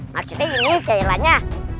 maksudnya ini jayelannya